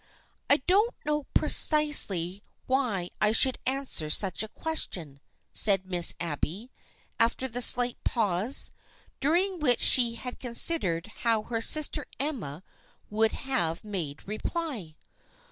" I don't know precisely why I should answer such a question," said Miss Abby, after the slight pause, during which she had considered how her sister Emma would have made reply.